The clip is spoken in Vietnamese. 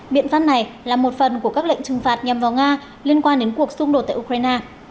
biện pháp này là một phần của các lệnh trừng phạt nhằm vào nga liên quan đến cuộc xung đột tại ukraine